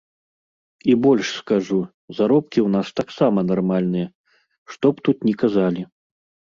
І больш скажу, заробкі ў нас таксама нармальныя, што б тут ні казалі.